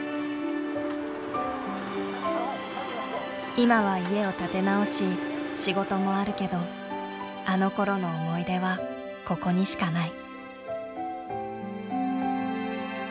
今は家を建て直し仕事もあるけどあのころの思い出はここにしかない。